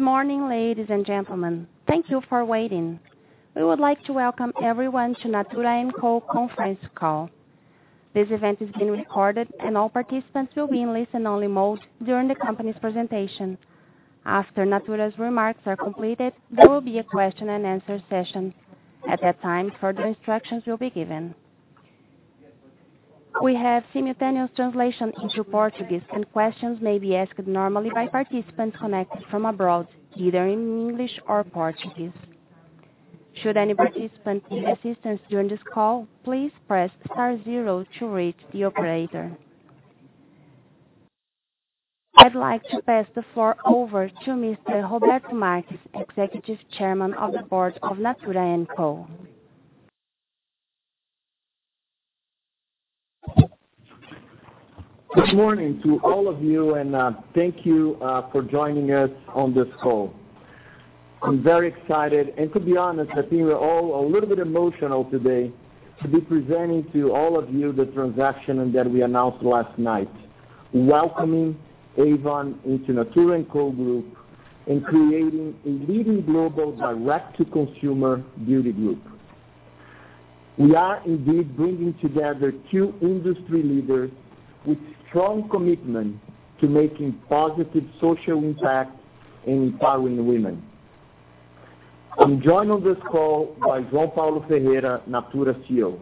Good morning, ladies and gentlemen. Thank you for waiting. We would like to welcome everyone to Natura & Co conference call. This event is being recorded, and all participants will be in listen-only mode during the company's presentation. After Natura's remarks are completed, there will be a question and answer session. At that time, further instructions will be given. We have simultaneous translation into Portuguese, and questions may be asked normally by participants connected from abroad, either in English or Portuguese. Should any participant need assistance during this call, please press star zero to reach the operator. I'd like to pass the floor over to Mr. Roberto Marques, Executive Chairman of the Board of Natura & Co. Good morning to all of you. Thank you for joining us on this call. I'm very excited. To be honest, I think we're all a little bit emotional today to be presenting to all of you the transaction that we announced last night, welcoming Avon into Natura & Co group and creating a leading global direct-to-consumer beauty group. We are indeed bringing together two industry leaders with strong commitment to making positive social impact and empowering women. I'm joined on this call by João Paulo Ferreira, Natura's CEO.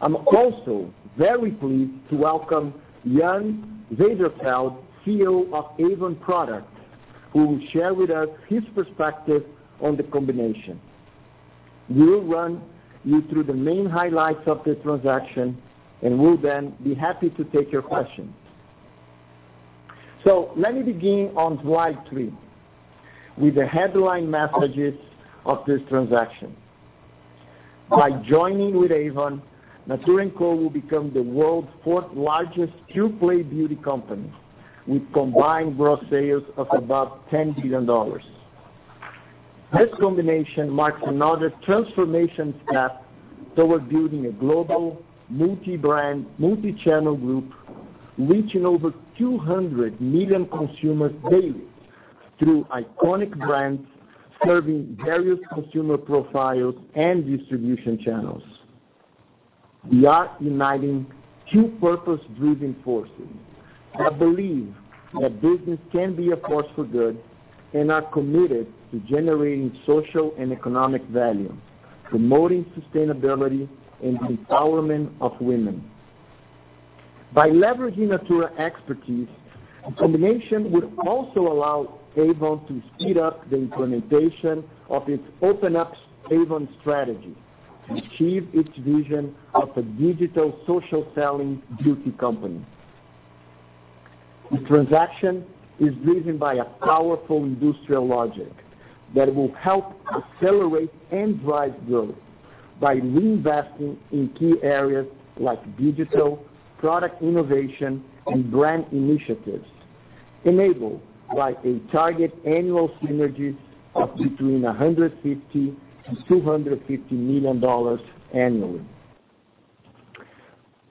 I'm also very pleased to welcome Jan Zijderveld, CEO of Avon Products, who will share with us his perspective on the combination. We will run you through the main highlights of the transaction. We'll then be happy to take your questions. Let me begin on slide three with the headline messages of this transaction. By joining with Avon, Natura & Co will become the world's fourth-largest pure-play beauty company, with combined gross sales of about $10 billion. This combination marks another transformation step towards building a global, multi-brand, multi-channel group reaching over 200 million consumers daily through iconic brands, serving various consumer profiles and distribution channels. We are uniting two purpose-driven forces that believe that business can be a force for good and are committed to generating social and economic value, promoting sustainability, and the empowerment of women. By leveraging Natura expertise, the combination will also allow Avon to speed up the implementation of its Open Up Avon strategy to achieve its vision of a digital social-selling beauty company. The transaction is driven by a powerful industrial logic that will help accelerate and drive growth by reinvesting in key areas like digital, product innovation, and brand initiatives, enabled by a target annual synergy of between $150 million and $250 million annually.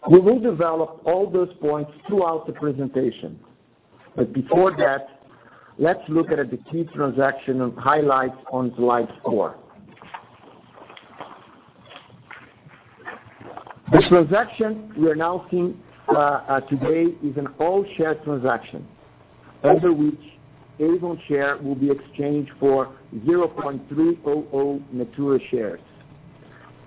We will develop all those points throughout the presentation. Before that, let's look at the key transaction and highlights on slide four. The transaction we are announcing today is an all-share transaction under which Avon share will be exchanged for 0.300 Natura shares.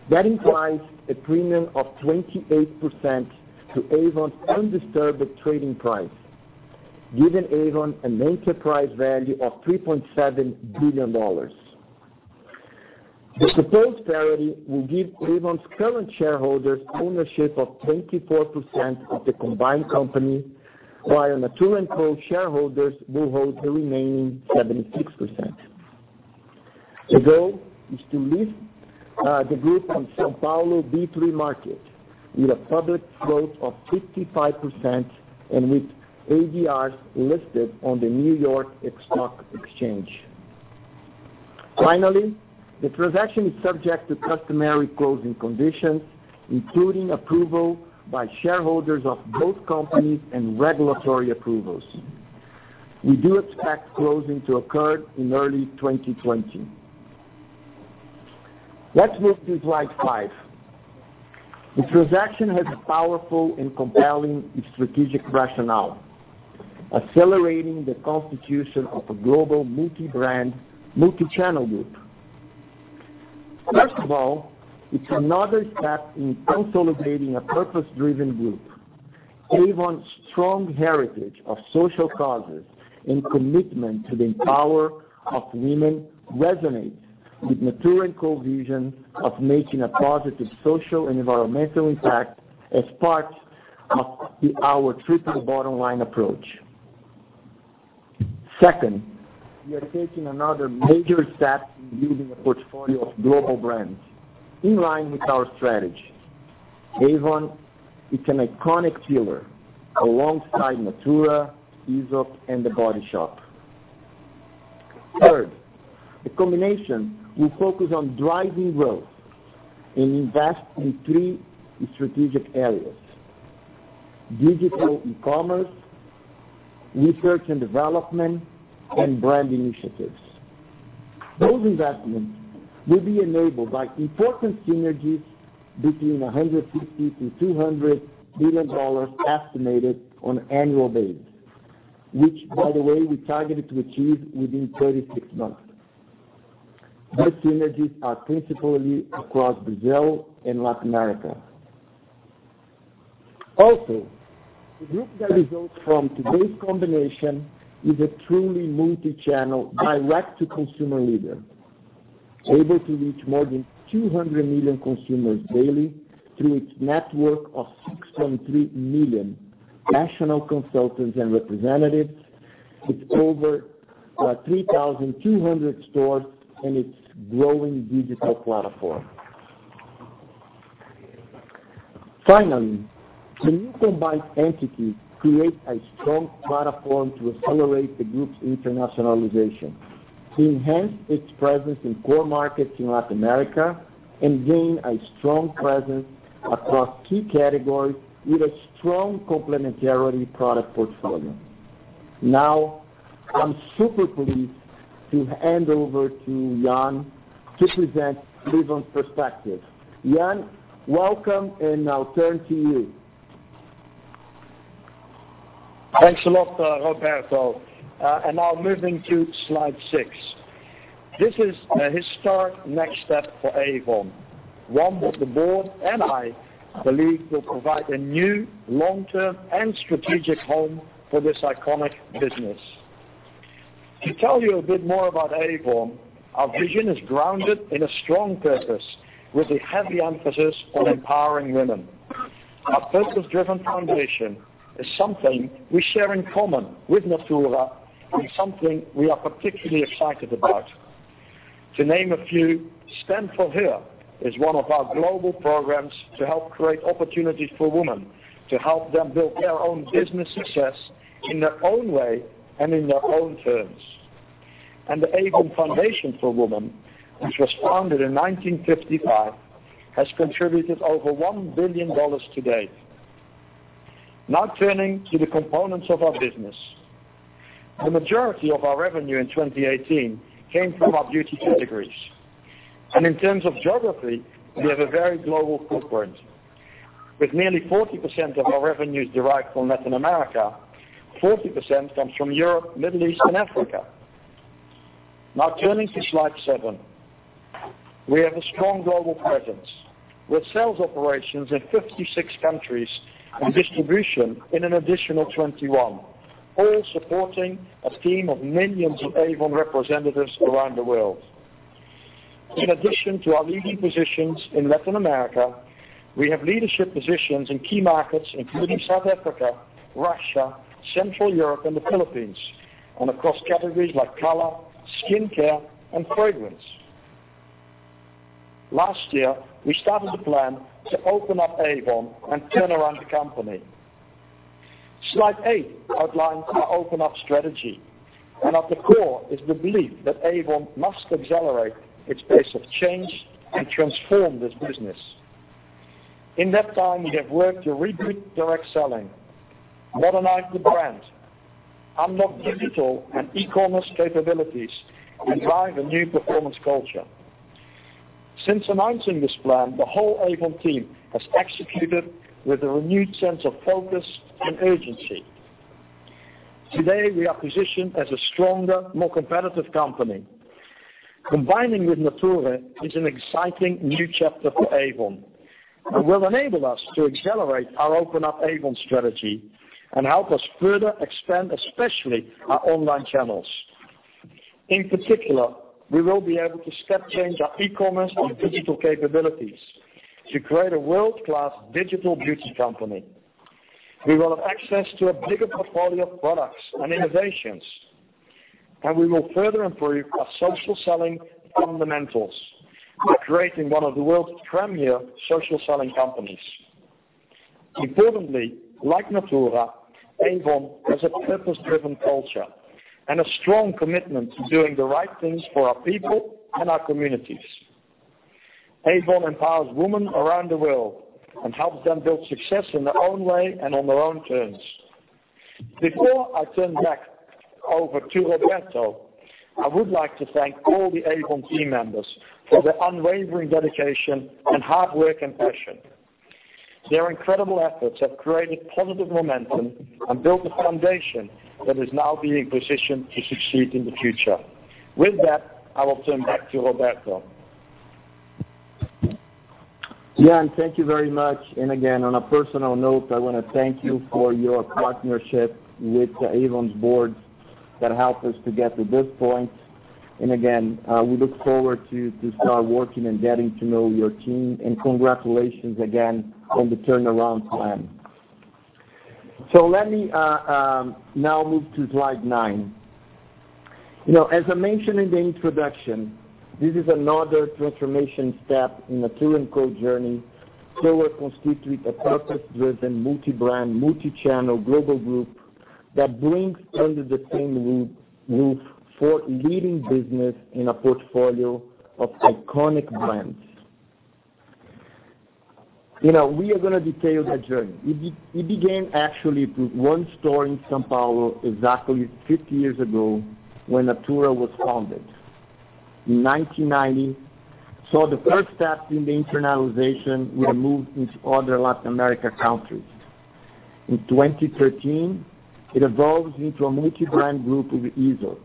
That implies a premium of 28% to Avon's undisturbed trading price, giving Avon an enterprise value of $3.7 billion. The proposed parity will give Avon's current shareholders ownership of 24% of the combined company, while Natura & Co shareholders will hold the remaining 76%. The goal is to list the group on São Paulo B3 market with a public float of 55% and with ADRs listed on the New York Stock Exchange. Finally, the transaction is subject to customary closing conditions, including approval by shareholders of both companies and regulatory approvals. We do expect closing to occur in early 2020. Let's move to slide five. The transaction has a powerful and compelling strategic rationale, accelerating the constitution of a global multi-brand, multi-channel group. First of all, it's another step in consolidating a purpose-driven group. Avon's strong heritage of social causes and commitment to the empower of women resonates with Natura & Co vision of making a positive social and environmental impact as part of our triple bottom line approach. Second, we are taking another major step in building a portfolio of global brands in line with our strategy. Avon is an iconic pillar alongside Natura, Aesop, and The Body Shop. Third, the combination will focus on driving growth and invest in three strategic areas: Digital commerce, research and development, and brand initiatives. Those investments will be enabled by important synergies between $150 billion-$200 billion estimated on annual basis, which by the way, we targeted to achieve within 36 months. Those synergies are principally across Brazil and Latin America. The group that results from today's combination is a truly multi-channel direct to consumer leader, able to reach more than 200 million consumers daily through its network of 6.3 million national consultants and representatives with over 3,200 stores and its growing digital platform. Finally, the new combined entity creates a strong platform to accelerate the group's internationalization, to enhance its presence in core markets in Latin America, and gain a strong presence across key categories with a strong complementarity product portfolio. I'm super pleased to hand over to Jan to present Avon's perspective. Jan, welcome, and I'll turn to you. Thanks a lot, Roberto. Now moving to slide six. This is a historic next step for Avon, one that the board and I believe will provide a new long-term and strategic home for this iconic business. To tell you a bit more about Avon, our vision is grounded in a strong purpose with a heavy emphasis on empowering women. Our purpose-driven foundation is something we share in common with Natura, and something we are particularly excited about. To name a few, Stand for Her is one of our global programs to help create opportunities for women to help them build their own business success in their own way and in their own terms. The Avon Foundation for Women, which was founded in 1955, has contributed over $1 billion to date. Turning to the components of our business. The majority of our revenue in 2018 came from our beauty categories. In terms of geography, we have a very global footprint. With nearly 40% of our revenues derived from Latin America, 40% comes from Europe, Middle East, and Africa. Turning to slide seven. We have a strong global presence with sales operations in 56 countries and distribution in an additional 21, all supporting a team of millions of Avon representatives around the world. In addition to our leading positions in Latin America, we have leadership positions in key markets including South Africa, Russia, Central Europe, and the Philippines, and across categories like color, skincare, and fragrance. Last year, we started a plan to open up Avon and turn around the company. Slide eight outlines our Open Up Avon strategy, and at the core is the belief that Avon must accelerate its pace of change and transform this business. In that time, we have worked to reboot direct selling, modernize the brand, unlock digital and e-commerce capabilities, and drive a new performance culture. Since announcing this plan, the whole Avon team has executed with a renewed sense of focus and urgency. Today, we are positioned as a stronger, more competitive company. Combining with Natura is an exciting new chapter for Avon and will enable us to accelerate our Open Up Avon strategy and help us further expand, especially our online channels. In particular, we will be able to step change our e-commerce and digital capabilities to create a world-class digital beauty company. We will have access to a bigger portfolio of products and innovations, and we will further improve our social selling fundamentals by creating one of the world's premier social selling companies. Importantly, like Natura, Avon has a purpose-driven culture and a strong commitment to doing the right things for our people and our communities. Avon empowers women around the world and helps them build success in their own way and on their own terms. Before I turn back over to Roberto, I would like to thank all the Avon team members for their unwavering dedication, and hard work, and passion. Their incredible efforts have created positive momentum and built a foundation that is now being positioned to succeed in the future. With that, I will turn back to Roberto. Jan, thank you very much. Again, on a personal note, I want to thank you for your partnership with Avon's board that helped us to get to this point. Again, we look forward to start working and getting to know your team, and congratulations again on the turnaround plan. Let me now move to slide nine. As I mentioned in the introduction, this is another transformation step in Natura & Co. journey to constitute a purpose-driven, multi-brand, multi-channel global group that brings under the same roof four leading business in a portfolio of iconic brands. We are going to detail that journey. It began actually with one store in São Paulo exactly 50 years ago when Natura was founded. In 1990, we saw the first step in the internationalization. We moved into other Latin America countries. In 2013, it evolves into a multi-brand group with Aesop,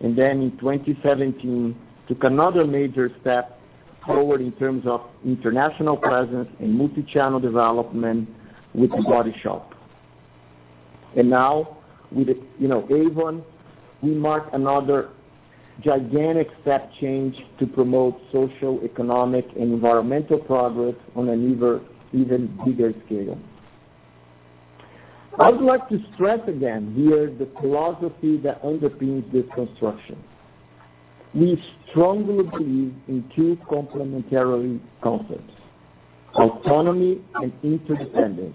and then in 2017, took another major step forward in terms of international presence and multi-channel development with The Body Shop. Now with Avon, we mark another gigantic step change to promote social, economic, and environmental progress on an even bigger scale. I would like to stress again here the philosophy that underpins this construction. We strongly believe in two complementary concepts, autonomy and interdependence.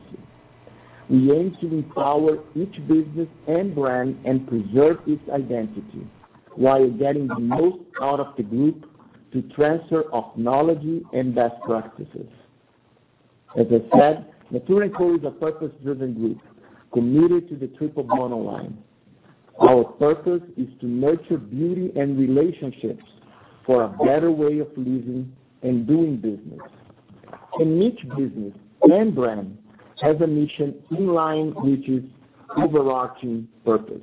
We aim to empower each business and brand and preserve its identity while getting the most out of the group to transfer of knowledge and best practices. As I said, Natura &Co is a purpose-driven group committed to the triple bottom line. Our purpose is to nurture beauty and relationships for a better way of living and doing business. Each business and brand has a mission in line with its overarching purpose.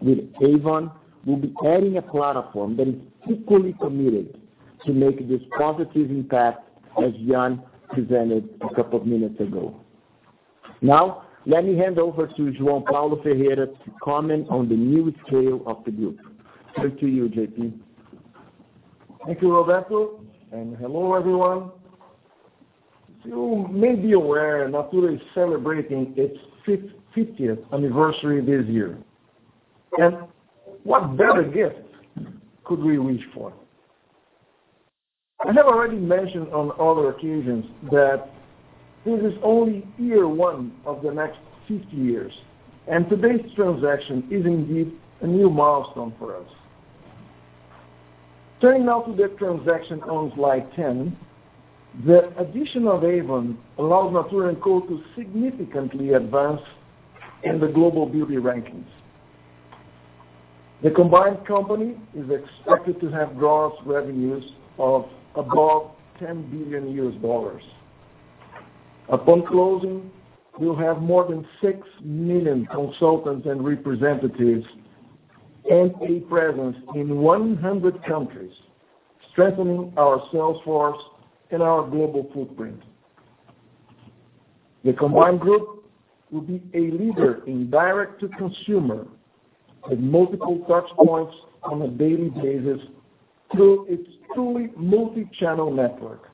With Avon, we'll be adding a platform that is equally committed to make this positive impact, as Jan presented a couple of minutes ago. Now, let me hand over to João Paulo Ferreira to comment on the new scale of the group. Over to you, JP. Thank you, Roberto, and hello, everyone. As you may be aware, Natura is celebrating its 50th anniversary this year. What better gift could we wish for? I have already mentioned on other occasions that this is only year one of the next 50 years, and today's transaction is indeed a new milestone for us. Turning now to the transaction on slide 10, the addition of Avon allows Natura &Co to significantly advance in the global beauty rankings. The combined company is expected to have gross revenues of above $10 billion US. Upon closing, we'll have more than six million consultants and representatives and a presence in 100 countries, strengthening our sales force and our global footprint. The combined group will be a leader in direct-to-consumer with multiple touch points on a daily basis through its truly multi-channel network.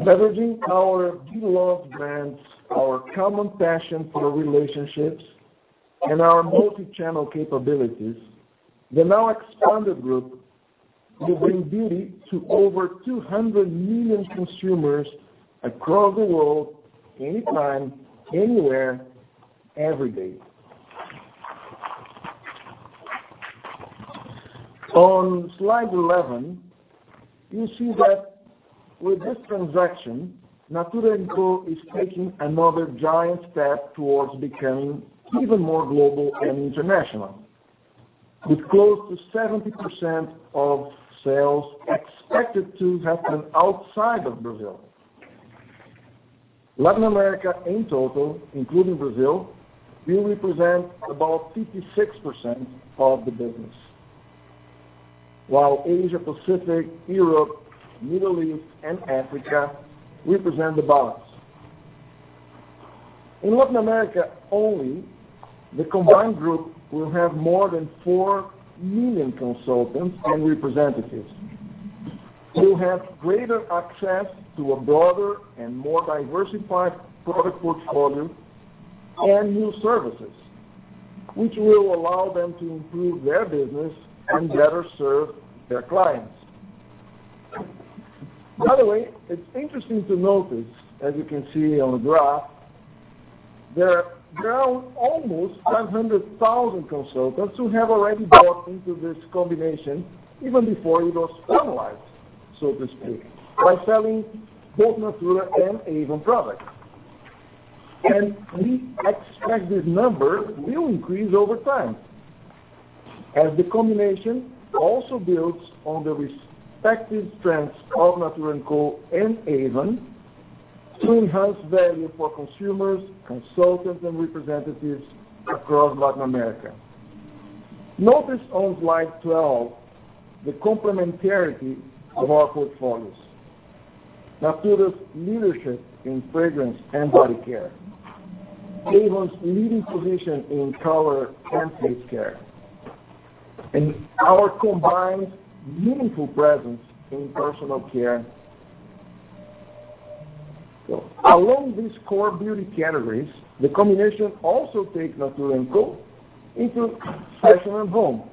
Leveraging our beloved brands, our common passion for relationships, and our multi-channel capabilities, the now expanded group will bring beauty to over 200 million consumers across the world anytime, anywhere, every day. On slide 11, you see that with this transaction, Natura &Co is taking another giant step towards becoming even more global and international. With close to 70% of sales expected to happen outside of Brazil. Latin America in total, including Brazil, will represent about 56% of the business. While Asia Pacific, Europe, Middle East, and Africa represent the balance. In Latin America only, the combined group will have more than four million consultants and representatives who have greater access to a broader and more diversified product portfolio and new services, which will allow them to improve their business and better serve their clients. By the way, it's interesting to notice, as you can see on the graph, there are now almost 100,000 consultants who have already bought into this combination even before it was finalized, so to speak, by selling both Natura and Avon products. We expect this number will increase over time as the combination also builds on the respective strengths of Natura &Co and Avon to enhance value for consumers, consultants, and representatives across Latin America. Notice on slide 12 the complementarity of our portfolios. Natura's leadership in fragrance and body care, Avon's leading position in color and face care, and our combined meaningful presence in personal care. Along these core beauty categories, the combination also takes Natura &Co into Fashion & Home,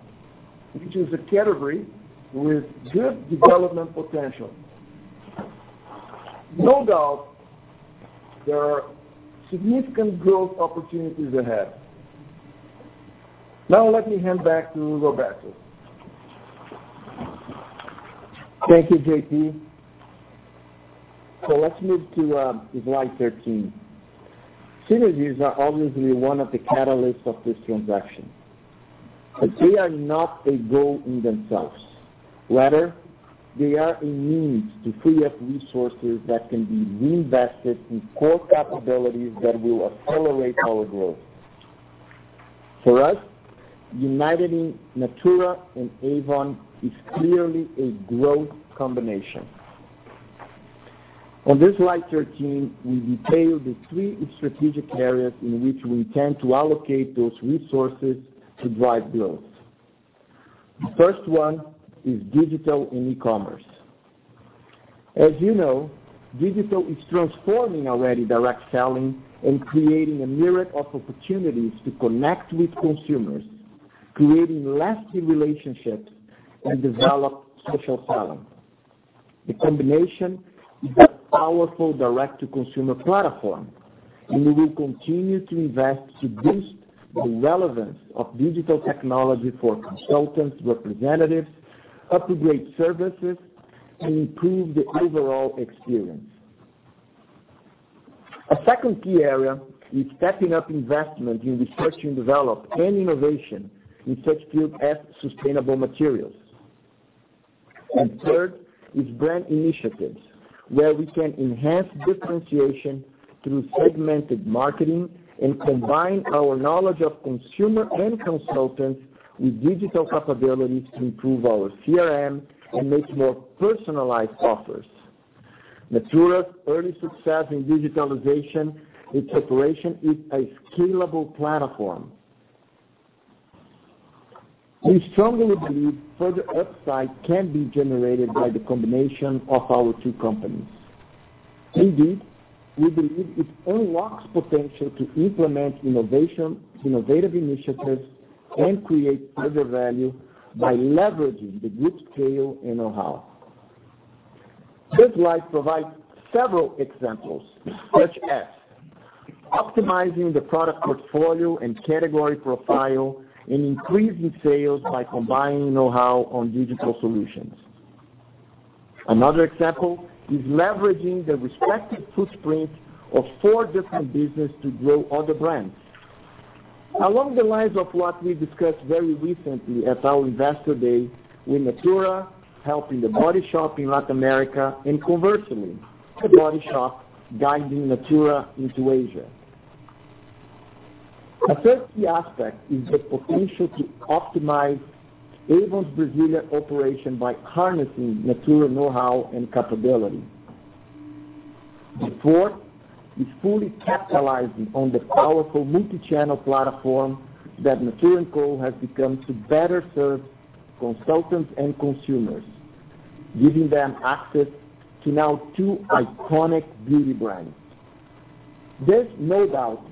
which is a category with good development potential. No doubt, there are significant growth opportunities ahead. Let me hand back to Roberto. Thank you, JP. Let's move to slide 13. Synergies are obviously one of the catalysts of this transaction, but they are not a goal in themselves. Rather, they are a means to free up resources that can be reinvested in core capabilities that will accelerate our growth. For us, uniting Natura and Avon is clearly a growth combination. On this slide 13, we detail the three strategic areas in which we intend to allocate those resources to drive growth. The first one is digital and e-commerce. As you know, digital is transforming already direct selling and creating a myriad of opportunities to connect with consumers, creating lasting relationships, and develop social selling. The combination is a powerful direct-to-consumer platform, and we will continue to invest to boost the relevance of digital technology for consultants, representatives, upgrade services, and improve the overall experience. A second key area is stepping up investment in research and development and innovation in such fields as sustainable materials. Third is brand initiatives, where we can enhance differentiation through segmented marketing and combine our knowledge of consumer and consultants with digital capabilities to improve our CRM and make more personalized offers. Natura's early success in digitalization, its operation is a scalable platform. We strongly believe further upside can be generated by the combination of our two companies. Indeed, we believe it unlocks potential to implement innovative initiatives and create further value by leveraging the group's scale and know-how. This slide provides several examples, such as optimizing the product portfolio and category profile and increasing sales by combining know-how on digital solutions. Another example is leveraging the respective footprint of four different businesses to grow other brands. Along the lines of what we discussed very recently at our investor day, with Natura helping The Body Shop in Latin America, and conversely, The Body Shop guiding Natura into Asia. A third key aspect is the potential to optimize Avon's Brazilian operation by harnessing Natura know-how and capability. The fourth is fully capitalizing on the powerful multi-channel platform that Natura &Co has become to better serve consultants and consumers, giving them access to now two iconic beauty brands. This, no doubt,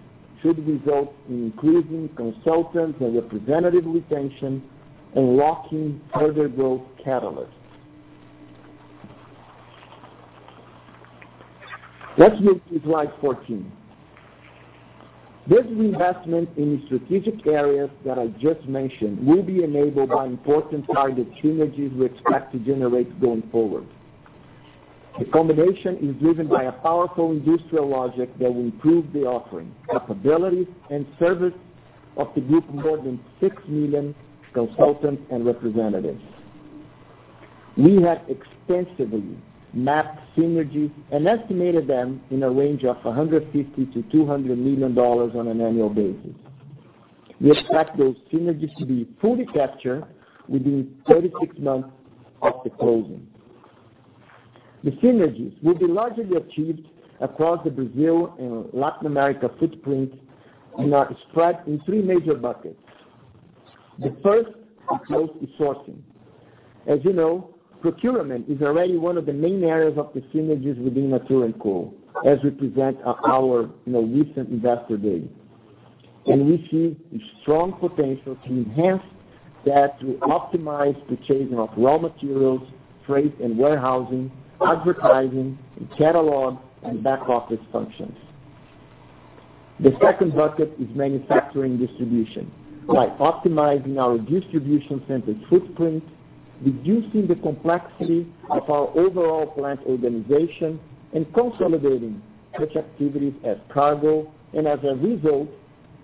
should result in increasing consultants and representative retention, unlocking further growth catalysts. Let's move to slide 14. This investment in the strategic areas that I just mentioned will be enabled by important targeted synergies we expect to generate going forward. The combination is driven by a powerful industrial logic that will improve the offering, capabilities, and service of the group's more than 6 million consultants and representatives. We have extensively mapped synergies and estimated them in a range of 150 million to BRL 200 million on an annual basis. We expect those synergies to be fully captured within 36 months of the closing. The synergies will be largely achieved across the Brazil and Latin America footprint and are spread in three major buckets. The first is low sourcing. As you know, procurement is already one of the main areas of the synergies within Natura & Co, as we present at our recent investor day, and we see a strong potential to enhance that to optimize the chasing of raw materials, freight and warehousing, advertising, and catalog, and back-office functions. The second bucket is manufacturing distribution, by optimizing our distribution center footprint, reducing the complexity of our overall plant organization, and consolidating such activities as cargo, and as a result,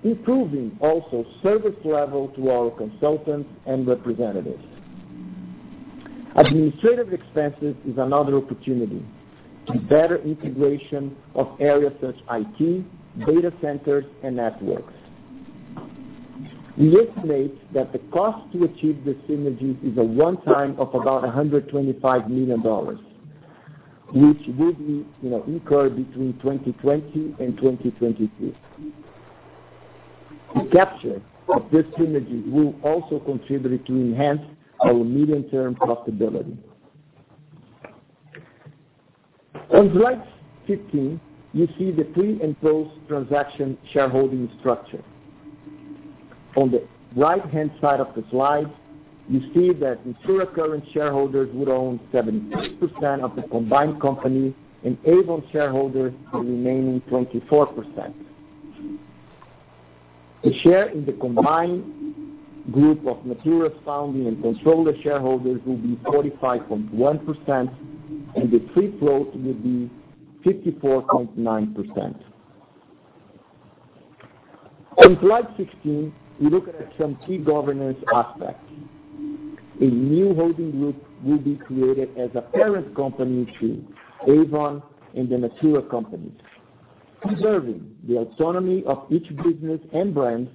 improving also service level to our consultants and representatives. Administrative expenses is another opportunity to better integration of areas such IT, data centers, and networks. We estimate that the cost to achieve the synergies is a one-time of about BRL 125 million, which will be incurred between 2020 and 2022. The capture of these synergies will also contribute to enhance our medium-term profitability. On slide 15, you see the pre- and post-transaction shareholding structure. On the right-hand side of the slide, you see that Natura current shareholders would own 70% of the combined company, and Avon shareholders, the remaining 24%. The share in the combined group of Natura's founding and controller shareholders will be 45.1%, and the free float will be 54.9%. On slide 16, we look at some key governance aspects. A new holding group will be created as a parent company to Avon and the Natura companies, preserving the autonomy of each business and brand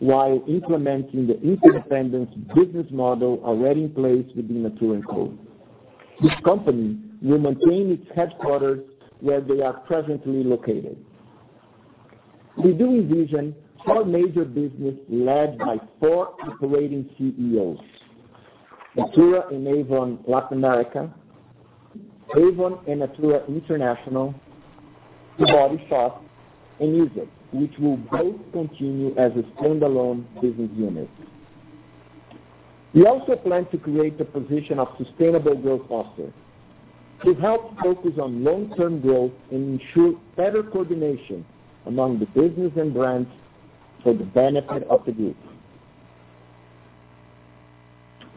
while implementing the independent business model already in place within Natura & Co. This company will maintain its headquarters where they are presently located. We do envision four major business led by four operating CEOs, Natura and Avon Latin America, Avon and Natura International, The Body Shop, and Aesop, which will both continue as standalone business units. We also plan to create the position of sustainable growth officer to help focus on long-term growth and ensure better coordination among the business and brands for the benefit of the group.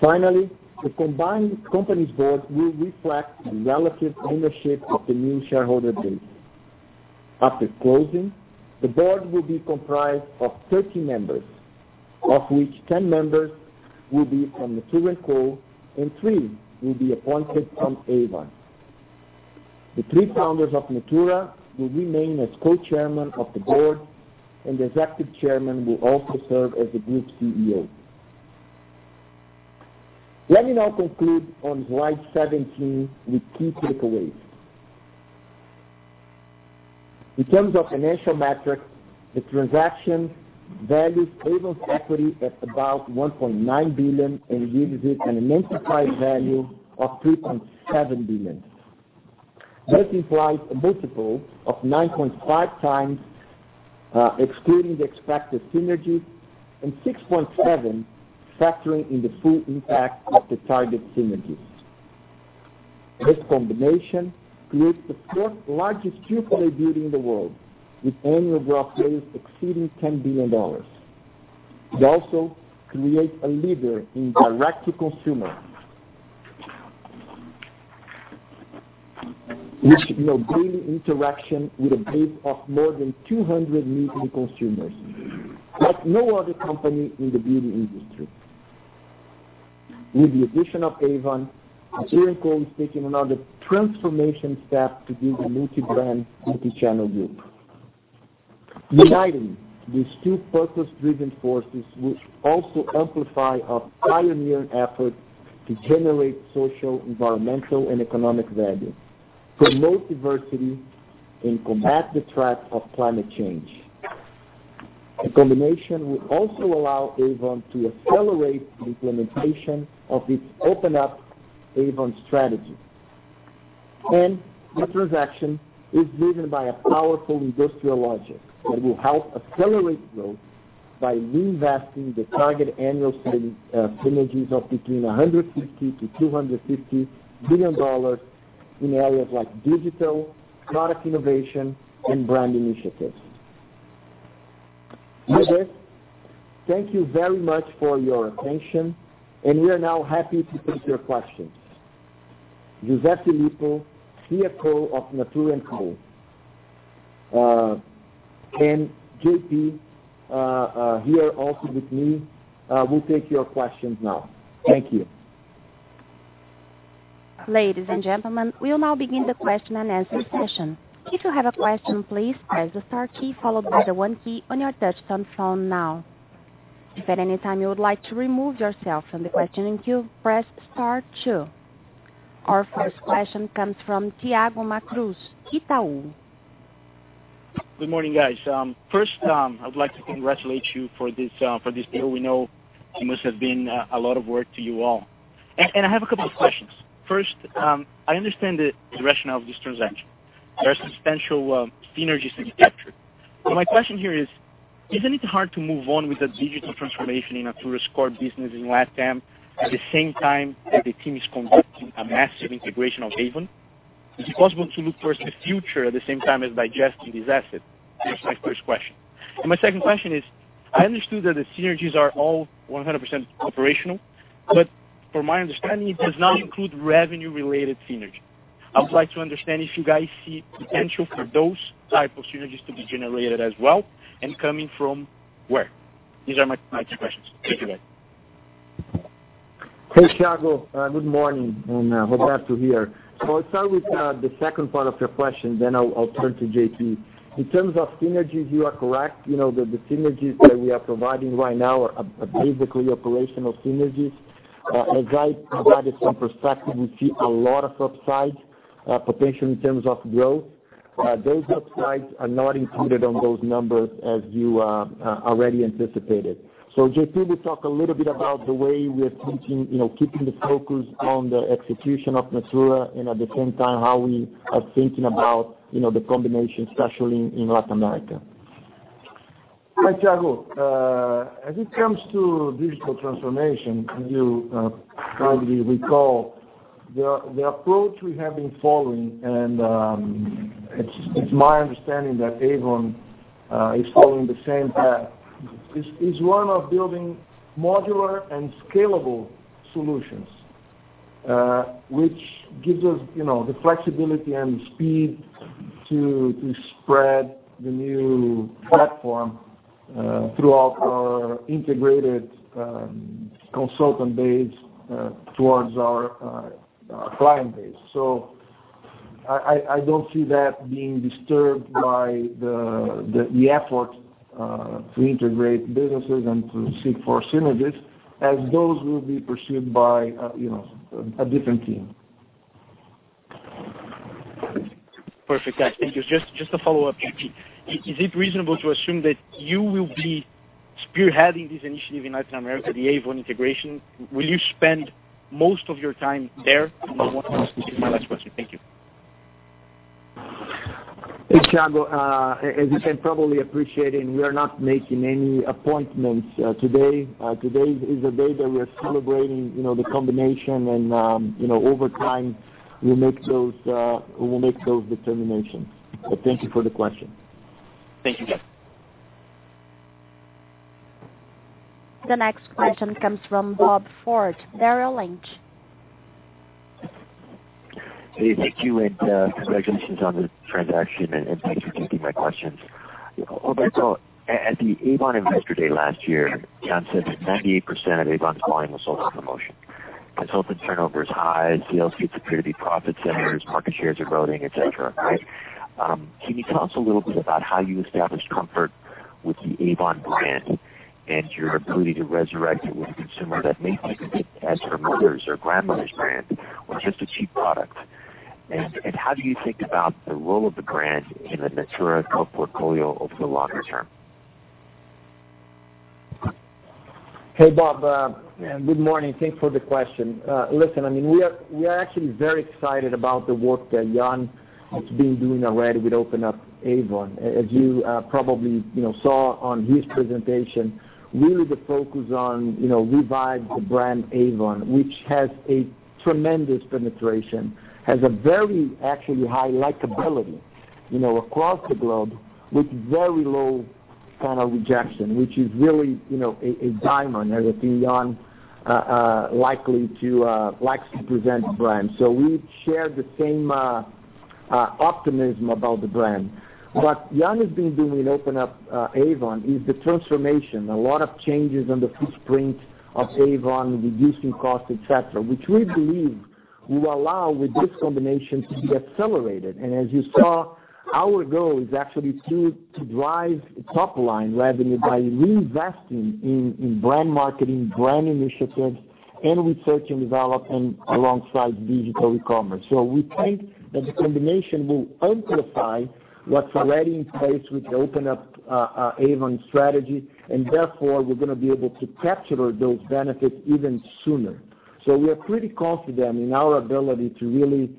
Finally, the combined companies board will reflect the relative ownership of the new shareholder base. After closing, the board will be comprised of 13 members, of which 10 members will be from Natura & Co, and three will be appointed from Avon. The three founders of Natura will remain as co-chairman of the board, and the executive chairman will also serve as the group CEO. Let me now conclude on slide 17 with key takeaways. In terms of financial metrics, the transaction values Avon's equity at about 1.9 billion and gives it an enterprise value of 3.7 billion. This implies a multiple of 9.5x, excluding the expected synergies, and 6.7x factoring in the full impact of the target synergies. This combination creates the fourth largest beauty player in the world, with annual revenues exceeding BRL 10 billion. It also creates a leader in direct-to-consumer, which, daily interaction with a base of more than 200 million consumers, like no other company in the beauty industry. With the addition of Avon, Natura &Co is taking another transformation step to be the multi-brand, multi-channel group. Uniting these two purpose-driven forces will also amplify our pioneering effort to generate social, environmental, and economic value, promote diversity, and combat the threat of climate change. The combination will also allow Avon to accelerate the implementation of its Open Up Avon strategy. The transaction is driven by a powerful industrial logic that will help accelerate growth by reinvesting the target annual synergies of between $150 million-$250 million in areas like digital, product innovation, and brand initiatives. With this, thank you very much for your attention, and we are now happy to take your questions. José Antonio Filippo, CEO Co of Natura &Co. JP, here also with me, will take your questions now. Thank you. Ladies and gentlemen, we'll now begin the question and answer session. If you have a question, please press the star key followed by the one key on your touchtone phone now. If at any time you would like to remove yourself from the questioning queue, press star two. Our first question comes from Thiago Macruz, Itaú. Good morning, guys. First, I would like to congratulate you for this deal. We know it must have been a lot of work to you all. I have a couple of questions. First, I understand the rationale of this transaction. There are substantial synergies being captured. My question here is, isn't it hard to move on with the digital transformation in a tourist core business in LATAM at the same time that the team is conducting a massive integration of Avon? Is it possible to look towards the future at the same time as digesting this asset? That's my first question. My second question is, I understood that the synergies are all 100% operational, but from my understanding, it does not include revenue-related synergy. I would like to understand if you guys see potential for those type of synergies to be generated as well, and coming from where. These are my two questions. Thank you, guys. Hey, Thiago, good morning, and glad to hear. I'll start with the second part of your question, then I'll turn to JP. In terms of synergies, you are correct. The synergies that we are providing right now are basically operational synergies. As I provided some perspective, we see a lot of upside potential in terms of growth. Those upsides are not included on those numbers as you already anticipated. JP will talk a little bit about the way we are thinking, keeping the focus on the execution of Natura and at the same time, how we are thinking about the combination, especially in Latin America. Hi, Thiago. As it comes to digital transformation, as you probably recall, the approach we have been following, and it's my understanding that Avon is following the same path, is one of building modular and scalable solutions, which gives us the flexibility and speed to spread the new platform throughout our integrated consultant base towards our client base. I don't see that being disturbed by the effort to integrate businesses and to seek for synergies, as those will be pursued by a different team. Perfect. Thank you. Just a follow-up, JP. Is it reasonable to assume that you will be spearheading this initiative in Latin America, the Avon integration? Will you spend most of your time there? This is my last question. Thank you. Hey, Thiago. As you can probably appreciate, we are not making any appointments today. Today is a day that we are celebrating the combination, and over time, we'll make those determinations. Thank you for the question. Thank you. The next question comes from Robert Ford, Merrill Lynch. Hey, thank you. Congratulations on the transaction, and thanks for taking my questions. Roberto, at the Avon Investor Day last year, Jan said that 98% of Avon's volume was sold on promotion. Consultant turnover is high. Salespeople appear to be profit centers. Market shares are eroding, et cetera. Right? Can you tell us a little bit about how you establish comfort with the Avon brand and your ability to resurrect it with a consumer that may think of it as their mother's or grandmother's brand or just a cheap product? How do you think about the role of the brand in the Natura portfolio over the longer term? Hey, Bob. Good morning. Thanks for the question. Listen, we are actually very excited about the work that Jan has been doing already with Open Up Avon. As you probably saw on his presentation, really the focus on revive the brand Avon, which has a tremendous penetration, has a very actually high likability across the globe with very low kind of rejection, which is really a diamond, as I think Jan likes to present the brand. We share the same optimism about the brand. What Jan has been doing in Open Up Avon is the transformation. A lot of changes on the footprint of Avon, reducing cost, et cetera, which we believe will allow with this combination to be accelerated. As you saw, our goal is actually to drive top-line revenue by reinvesting in brand marketing, brand initiatives, and research and development alongside digital ecommerce. We think that the combination will amplify what's already in place with the Open Up Avon strategy. Therefore, we're going to be able to capture those benefits even sooner. We are pretty confident in our ability to really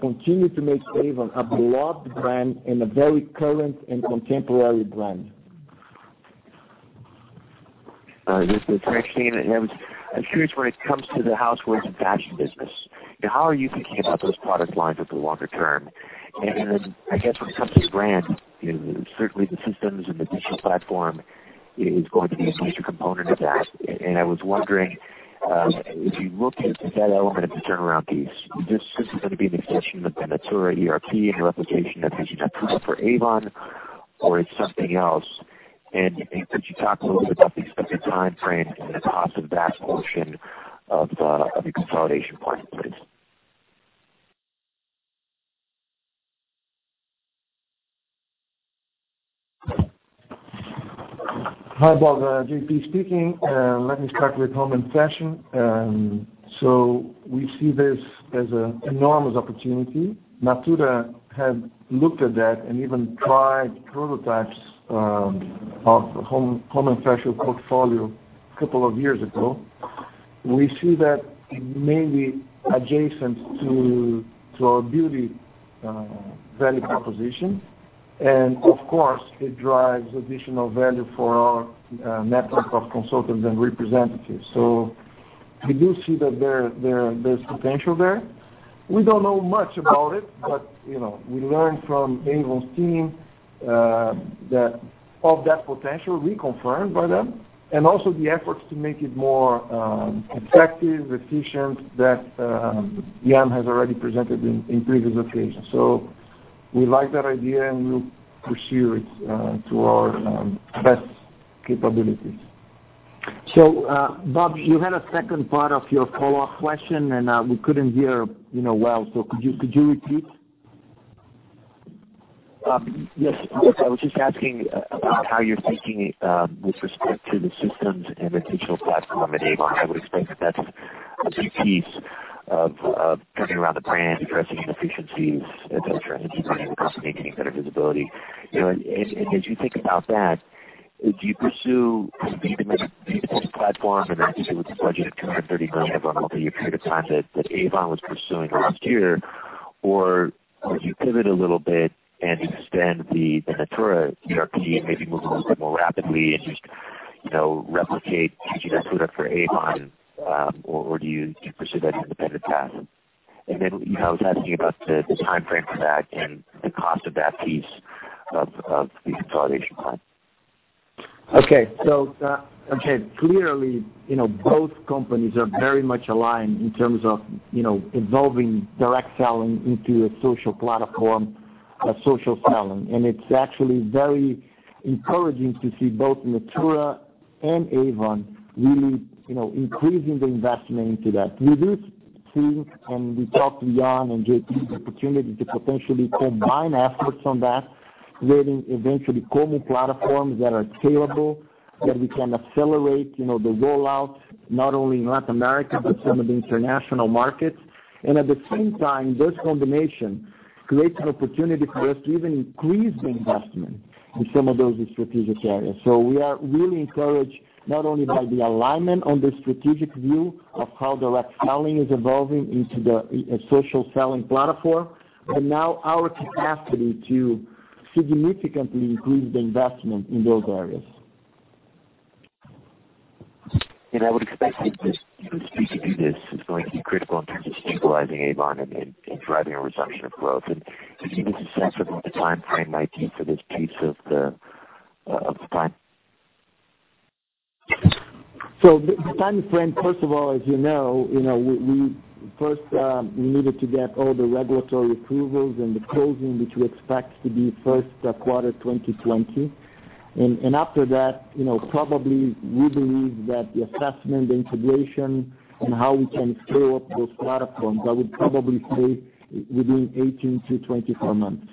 continue to make Avon a beloved brand and a very current and contemporary brand. This is Bob. Thanks, team. I'm curious when it comes to the housewares and fashion business, how are you thinking about those product lines over the longer term? Then I guess when it comes to brand, certainly the systems and the digital platform is going to be a major component of that. I was wondering, if you look at that element of the turnaround piece, this is going to be an extension of the Natura ERP and the replication of the digital tool for Avon or it's something else. Could you talk a little bit about the expected timeframe and the cost of that portion of the consolidation plan, please? Hi, Bob. JP speaking. Let me start with home and fashion. We see this as an enormous opportunity. Natura had looked at that and even tried prototypes of home and fashion portfolio a couple of years ago. We see that mainly adjacent to our beauty value proposition. Of course, it drives additional value for our network of consultants and representatives. We do see that there's potential there. We don't know much about it, but we learned from Avon's team of that potential reconfirmed by them, and also the efforts to make it more effective, efficient that Jan has already presented in previous occasions. We like that idea, and we'll pursue it to our best capabilities. Bob, you had a second part of your follow-up question. We couldn't hear well. Could you repeat? Yes. I was just asking about how you're thinking with respect to the systems and the digital platform at Avon. I would expect that that's a key piece of turning around the brand, addressing inefficiencies, et cetera, and keeping across, maintaining better visibility. As you think about that, do you pursue this platform and obviously with the budget of BRL 230 million on a multi-year period of time that Avon was pursuing last year? Would you pivot a little bit and extend the Natura CRM, maybe move a little bit more rapidly and just replicate teaching that product for Avon, or do you pursue that independent path? I was asking about the timeframe for that and the cost of that piece of the consolidation plan. Okay. Clearly, both companies are very much aligned in terms of evolving direct selling into a social platform, a social selling. It's actually very encouraging to see both Natura and Avon really increasing the investment into that. We do see, and we talked to Jan and JP, the opportunity to potentially combine efforts on that, creating eventually common platforms that are scalable, that we can accelerate the rollout, not only in Latin America, but some of the international markets. At the same time, this combination creates an an opportunity for us to even increase the investment in some of those strategic areas. We are really encouraged, not only by the alignment on the strategic view of how direct selling is evolving into the social selling platform, but now our capacity to significantly increase the investment in those areas. I would expect that the speed to do this is going to be critical in terms of stabilizing Avon and driving a resumption of growth. Do you give us a sense of what the timeframe might be for this piece of the plan? The timeframe, first of all, as you know, first we needed to get all the regulatory approvals and the closing, which we expect to be first quarter 2020. After that, probably we believe that the assessment, the integration, and how we can scale up those platforms, that would probably stay within 18 to 24 months.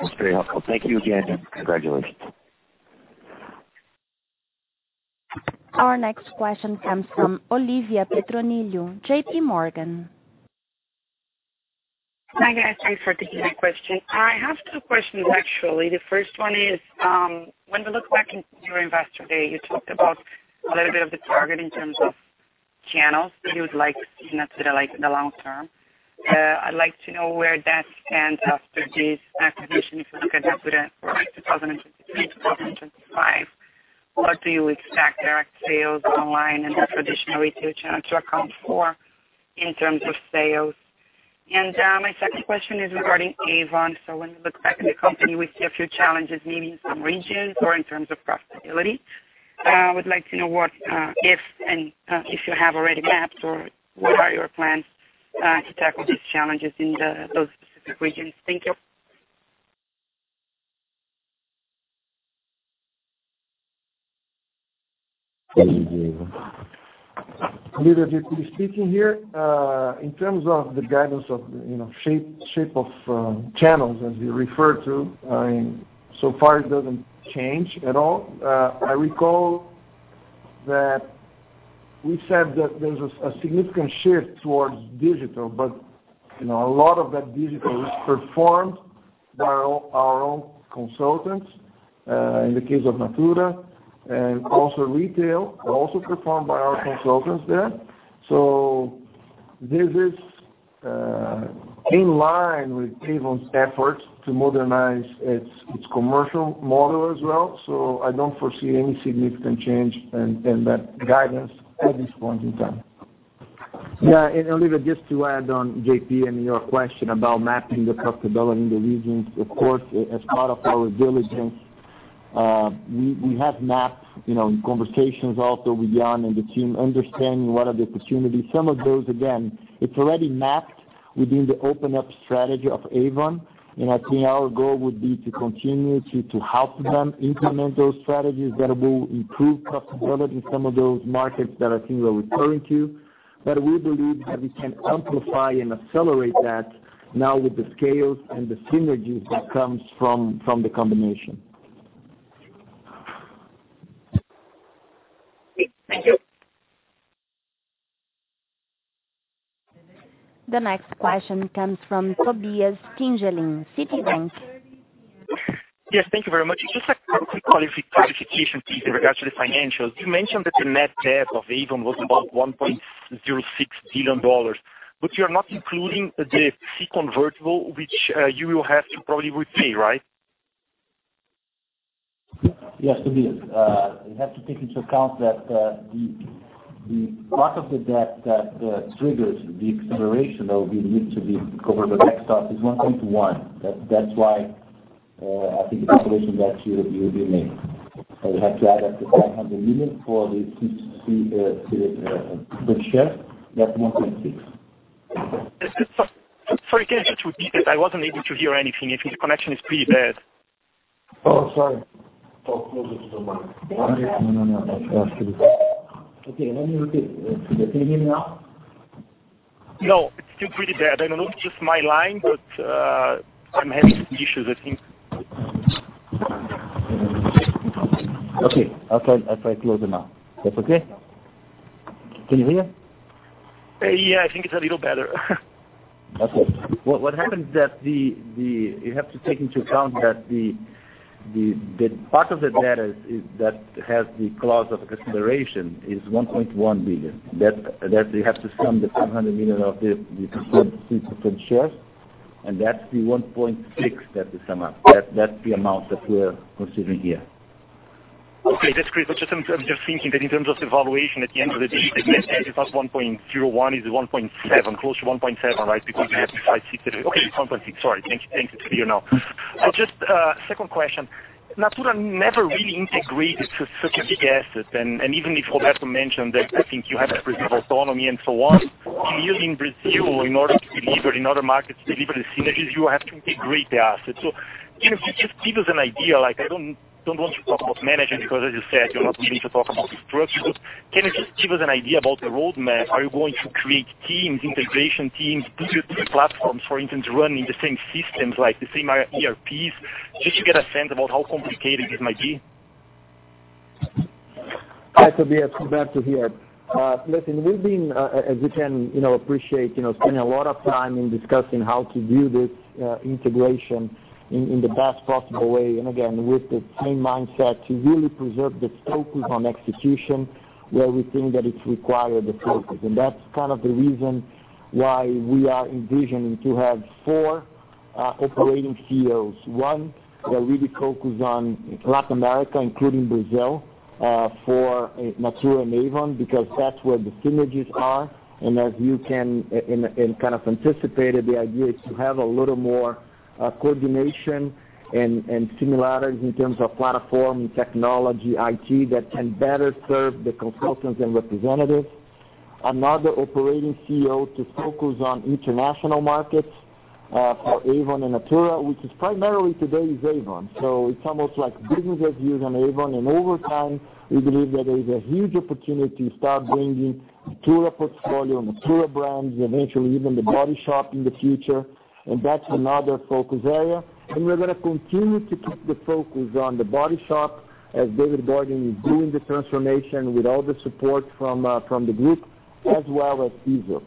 That's very helpful. Thank you again, and congratulations. Our next question comes from Olivia Petronilio, J.P. Morgan. Hi, guys. Thanks for taking the question. I have two questions, actually. The first one is, when we look back into your Investor Day, you talked about a little bit of the target in terms of channels that you would like to see Natura like in the long term. I'd like to know where that stands after this acquisition. If you look at Natura for 2023 to 2025, what do you expect direct sales, online, and the traditional retail channel to account for in terms of sales? My second question is regarding Avon. When we look back at the company, we see a few challenges, maybe in some regions or in terms of profitability. I would like to know if you have already mapped or what are your plans to tackle these challenges in those specific regions. Thank you. Let me give. Olivia, J.P. speaking here. In terms of the guidance of shape of channels as you refer to, so far it doesn't change at all. I recall that we said that there's a significant shift towards digital, but a lot of that digital is performed by our own consultants, in the case of Natura. Also retail, also performed by our consultants there. This is in line with Avon's efforts to modernize its commercial model as well, so I don't foresee any significant change in that guidance at this point in time. Yeah. Olivia, just to add on J.P. and your question about mapping the profitability in the regions, of course, as part of our diligence, we have mapped, in conversations also with Jan and the team, understanding what are the opportunities. Some of those, again, it's already mapped within the Open Up Avon strategy of Avon. I think our goal would be to continue to help them implement those strategies that will improve profitability in some of those markets that I think you are referring to. We believe that we can amplify and accelerate that now with the scales and the synergies that comes from the combination. Great. Thank you. The next question comes from Tobias Stirnberg, Citibank. Yes, thank you very much. Just a quick clarification please in regards to the financials. You mentioned that the net debt of Avon was about BRL 1.06 billion, you're not including the Convertible security, which you will have to probably repay, right? Yes, Tobias. You have to take into account that the part of the debt that triggers the acceleration that will be needed to be covered by WEXTOX is 1.1. That's why I think the calculation that you made. We have to add up to 500 million for the C share. That's 1.6. Sorry, can you repeat that? I wasn't able to hear anything. The connection is pretty bad. Sorry. Talk closer to the mic. No, that's okay. Okay, let me repeat. Can you hear me now? It's still pretty bad. I don't know if this is my line, but I'm having issues, I think. Okay. I'll try closer now. That's okay? Can you hear? Yeah, I think it's a little better. That's it. What happens is that you have to take into account that the part of that letter that has the clause of consideration is 1.1 billion. You have to sum the 500 million of the preferred shares, and that's the 1.6 billion that we sum up. That's the amount that we're considering here. Okay, that's great. I'm just thinking that in terms of evaluation at the end of the day, it's not 1.01 billion, it's 1.7 billion, close to 1.7 billion, right? Because you have 1.6 billion. Sorry. Thank you. It's clear now. Just a second question. Natura never really integrated such a big asset, and even if Roberto mentioned that I think you have a degree of autonomy and so on, in Brazil, in order to deliver in other markets, deliver the synergies, you have to integrate the assets. Can you just give us an idea? I don't want to talk about management because, as you said, you're not willing to talk about structures. Can you just give us an idea about the roadmap? Are you going to create teams, integration teams, different platforms, for instance, running the same systems, like the same ERPs? Just to get a sense of how complicated this might be. Hi, Tobias. Roberto here. We've been, as you can appreciate, spending a lot of time in discussing how to do this integration in the best possible way, again, with the same mindset to really preserve the focus on execution where we think that it's required the focus. That's kind of the reason why we are envisioning to have four operating CEOs. One that really focuses on Latin America, including Brazil, for Natura and Avon, because that's where the synergies are. As you can kind of anticipated, the idea is to have a little more coordination and similarities in terms of platform, technology, IT that can better serve the consultants and representatives. Another operating CEO to focus on international markets for Avon and Natura, which is primarily today is Avon. It's almost like business as usual in Avon. Over time, we believe that there is a huge opportunity to start bringing Natura portfolio, Natura brands, eventually even The Body Shop in the future. That's another focus area. We're going to continue to keep the focus on The Body Shop as David Boynton is doing the transformation with all the support from the group, as well as Aesop.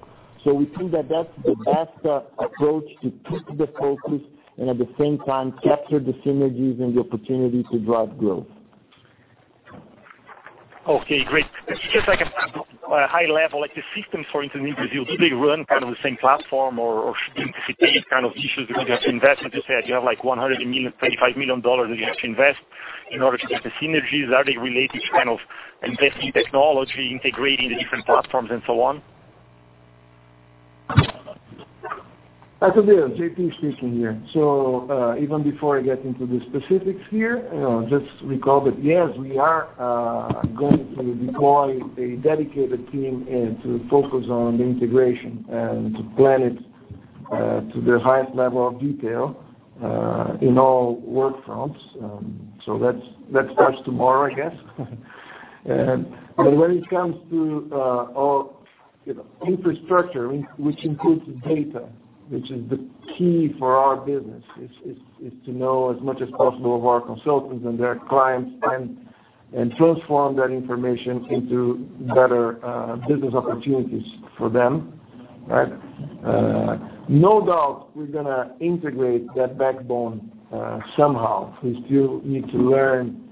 We think that that's the best approach to keep the focus and at the same time capture the synergies and the opportunity to drive growth. Okay, great. Just like a high level, the systems, for instance, in Brazil, do they run kind of the same platform or should we anticipate the kind of issues that you have to invest? As you said, you have 100 million, BRL 35 million that you have to invest in order to get the synergies. Are they related to kind of investing technology, integrating the different platforms and so on? Hi, Tobias. JP speaking here. Even before I get into the specifics here, just recall that yes, we are going to deploy a dedicated team to focus on the integration and to plan it to the highest level of detail in all work fronts. That starts tomorrow, I guess. When it comes to our infrastructure, which includes data, which is the key for our business, is to know as much as possible of our consultants and their clients and transform that information into better business opportunities for them. Right? No doubt we're going to integrate that backbone somehow. We still need to learn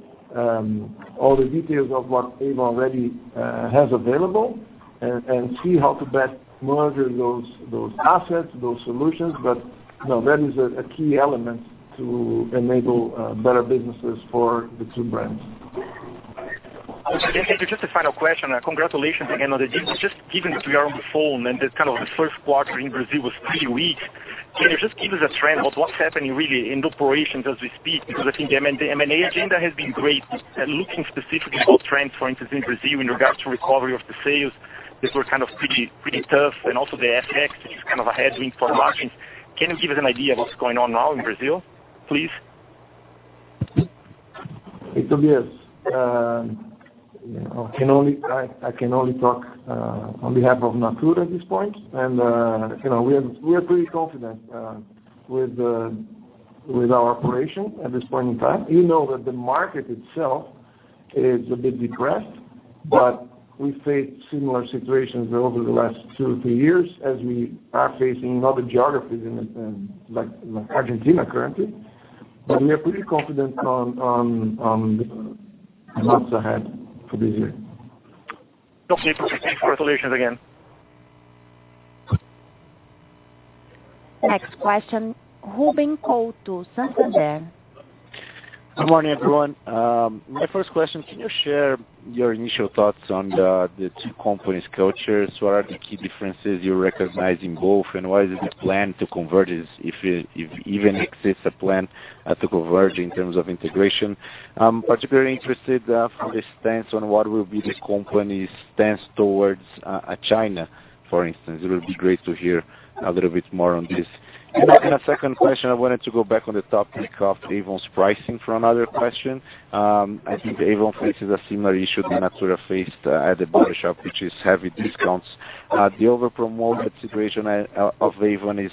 all the details of what Avon already has available and see how to best manage those assets, those solutions. That is a key element to enable better businesses for the two brands. Just a final question. Congratulations again on the deal. Just given that we are on the phone and that kind of the first quarter in Brazil was pretty weak, can you just give us a trend about what's happening really in the operations as we speak? Because I think the M&A agenda has been great at looking specifically for trends, for instance, in Brazil in regards to recovery of the sales that were kind of pretty tough and also the FX is kind of a headwind for margins. Can you give us an idea of what's going on now in Brazil, please? Hey, Tobias. I can only talk on behalf of Natura at this point. We are pretty confident with our operation at this point in time, even though that the market itself is a bit depressed. We faced similar situations over the last two or three years as we are facing other geographies like Argentina currently. We are pretty confident on the months ahead for this year. Okay. Congratulations again. Next question, Ruben Couto, Santander. Good morning, everyone. My first question, can you share your initial thoughts on the two companies' cultures? What are the key differences you recognize in both, and what is the plan to converge this if even exists a plan to converge in terms of integration? I'm particularly interested from the stance on what will be this company's stance towards China, for instance. It will be great to hear a little bit more on this. A second question, I wanted to go back on the topic of Avon's pricing for another question. I think Avon faces a similar issue that Natura faced at The Body Shop, which is heavy discounts. The overpromoted situation of Avon is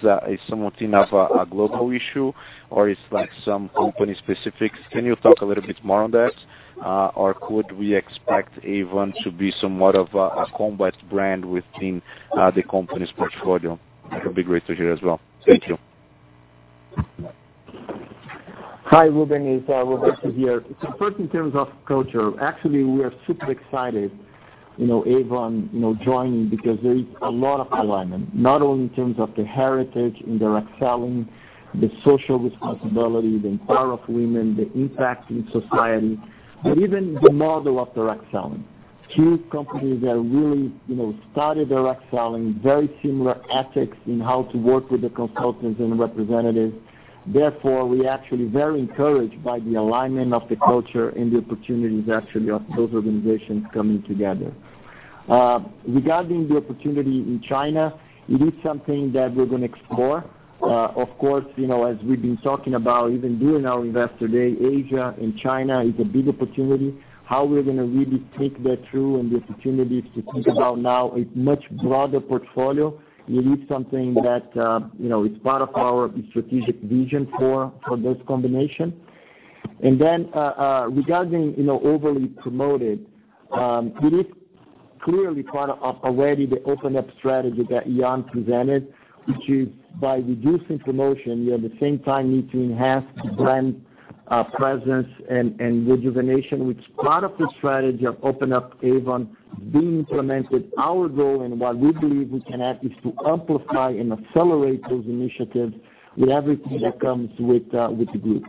somewhat of a global issue, or it's like some company specifics. Can you talk a little bit more on that? Could we expect Avon to be somewhat of a combat brand within the company's portfolio? That would be great to hear as well. Thank you. Hi, Ruben. It's Roberto here. First, in terms of culture, actually, we are super excited, Avon joining because there is a lot of alignment, not only in terms of the heritage in direct selling, the social responsibility, the empower of women, the impact in society, but even the model of direct selling. Two companies that really started direct selling, very similar ethics in how to work with the consultants and representatives. Therefore, we actually very encouraged by the alignment of the culture and the opportunities actually of those organizations coming together. Regarding the opportunity in China, it is something that we're going to explore. Of course, as we've been talking about, even during our Investor Day, Asia and China is a big opportunity. How we're going to really take that through and the opportunities to think about now a much broader portfolio. It is something that is part of our strategic vision for this combination. Regarding overly promoted, it is clearly part of already the Open Up strategy that Jan presented. Which is by reducing promotion, we at the same time need to enhance the brand presence and rejuvenation. Which is part of the strategy of Open Up Avon being implemented. Our goal and what we believe we can add is to amplify and accelerate those initiatives with everything that comes with the group.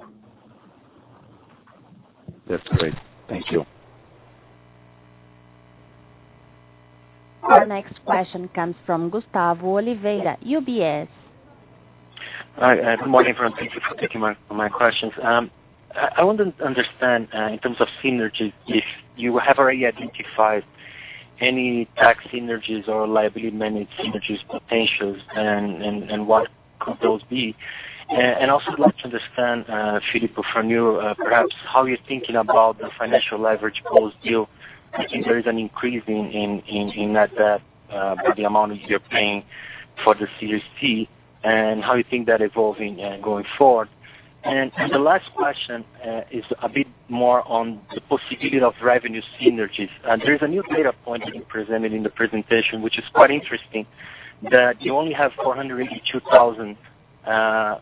That's great. Thank you. Our next question comes from Gustavo Oliveira, UBS. Hi, good morning everyone. Thank you for taking my questions. I want to understand, in terms of synergies, if you have already identified any tax synergies or liability-managed synergies potentials and what could those be? Also like to understand, Filippo, from you, perhaps how you're thinking about the financial leverage post-deal. If there is an increase in net debt, by the amount you're paying for the CSC, and how you think that evolving and going forward. The last question is a bit more on the possibility of revenue synergies. There is a new data point being presented in the presentation, which is quite interesting, that you only have 482,000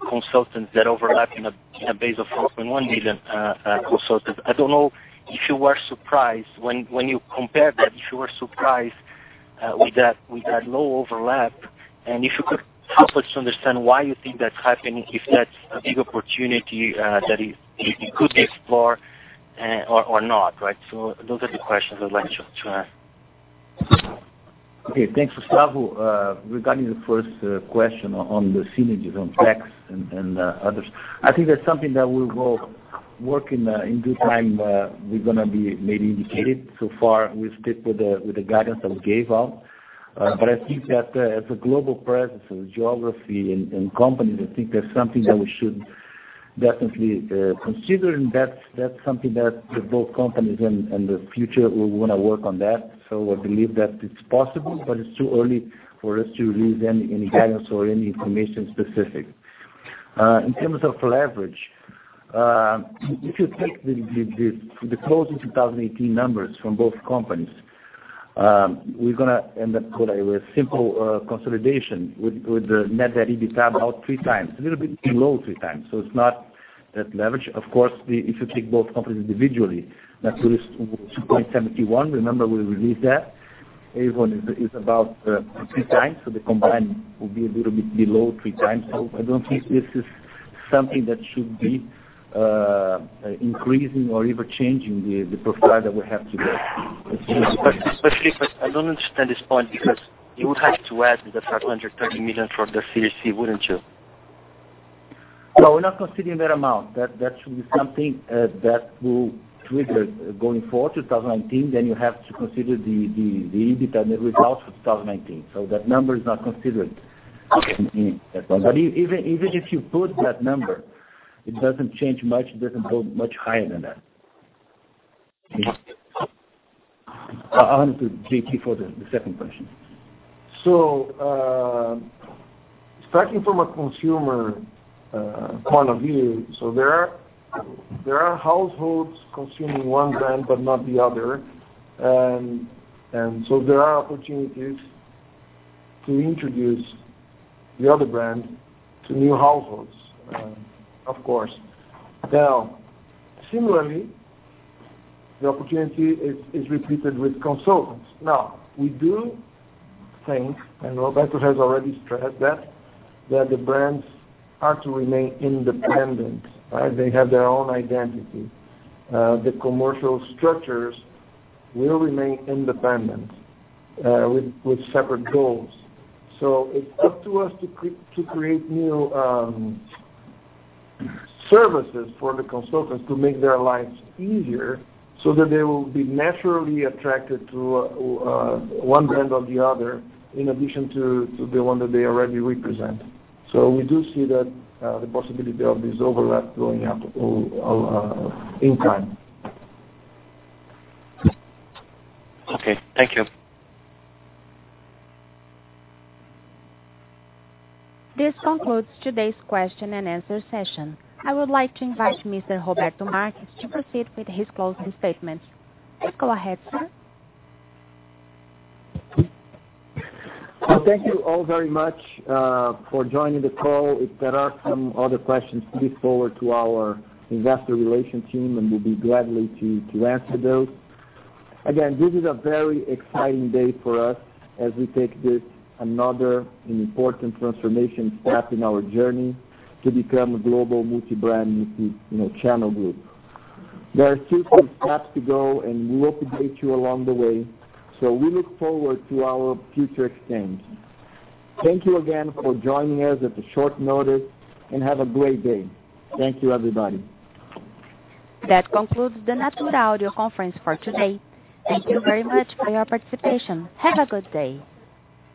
consultants that overlap in a base of 4.1 million consultants. I don't know if you were surprised when you compare that, if you were surprised with that low overlap. If you could help us to understand why you think that's happening, if that's a big opportunity that you could explore or not, right? Those are the questions I'd like to ask. Okay. Thanks, Gustavo. Regarding the first question on the synergies on tax and others, I think that's something that will go work in due time, we're going to be maybe indicated. Far, we stick with the guidance that we gave out. I think that as a global presence, geography and companies, I think that's something that we should definitely consider. That's something that both companies in the future will want to work on that. I believe that it's possible, but it's too early for us to release any guidance or any information specific. In terms of leverage, if you take the closing 2018 numbers from both companies, we're going to end up with a simple consolidation with the net debt/EBITDA about three times. A little bit below three times. It's not that leverage. Of course, if you take both companies individually, Natura is 2.71. Remember we released that. Avon is about three times. The combined will be a little bit below three times. I don't think this is something that should be increasing or even changing the profile that we have today. Filippo, I don't understand this point because you would have to add the 530 million for the CSC, wouldn't you? No, we're not considering that amount. That should be something that will trigger going forward 2019, then you have to consider the EBITDA net result for 2019. That number is not considered. Okay. Even if you put that number, it doesn't change much. It doesn't go much higher than that. On to, JP for the second question. Starting from a consumer point of view, there are households consuming one brand but not the other. There are opportunities to introduce the other brand to new households, of course. Similarly, the opportunity is repeated with consultants. We do think, and Roberto Marques has already stressed that the brands are to remain independent. They have their own identity. The commercial structures will remain independent, with separate goals. It's up to us to create new services for the consultants to make their lives easier so that they will be naturally attracted to one brand or the other, in addition to the one that they already represent. We do see that, the possibility of this overlap going up in time. Okay. Thank you. This concludes today's question and answer session. I would like to invite Mr. Roberto Marques to proceed with his closing statements. Please go ahead, sir. Thank you all very much for joining the call. If there are some other questions, please forward to our Investor Relations team, and we'll be glad to answer those. Again, this is a very exciting day for us as we take this another important transformation step in our journey to become a global multi-brand, multi-channel group. There are few quick steps to go, and we will update you along the way. We look forward to our future exchange. Thank you again for joining us at a short notice, and have a great day. Thank you, everybody. That concludes the Natura audio conference for today. Thank you very much for your participation. Have a good day.